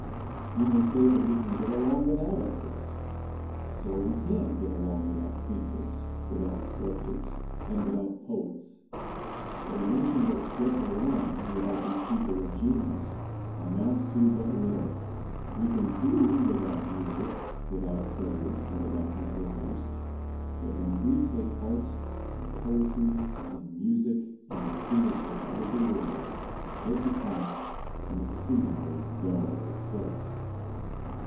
You may say that we can get along without actors. So we can get along without painters, without sculptors and without poets. But a nation that gets along without these people of genius amounts to but little. We can do without music, without players and without composers; but when we take art and poetry and music and the theatre out of the world, it becomes an exceedingly dull place.